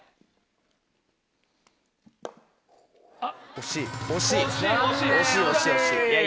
惜しい。